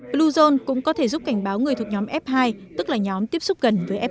bluezone cũng có thể giúp cảnh báo người thuộc nhóm f hai tức là nhóm tiếp xúc gần với f một